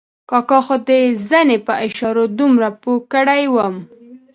کاکا خو د زنې په اشاره دومره پوه کړی وم.